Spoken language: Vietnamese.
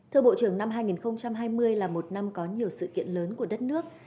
thưa bộ trưởng năm hai nghìn hai mươi là một năm có nhiều sự kiện lớn của đất nước